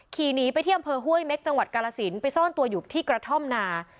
ขี่หนีไปที่อำเภอห้วยเม็กจังหวัดกาลสินไปซ่อนตัวอยู่ที่กระท่อมนา